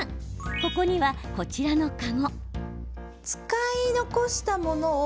ここには、こちらの籠。